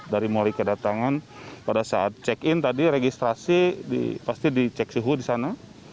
dari mulai kedatangan pada saat check in tadi registrasi pasti dicek suhu di sana